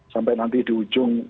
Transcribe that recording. sampai nanti di ujung